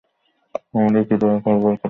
আমাদের কী দয়া করবার কোথাও কেউ নেই?